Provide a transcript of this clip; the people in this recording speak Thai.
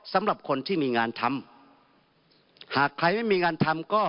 สำหรับคนที่มีงานทำหากใครไม่มีงานทำก็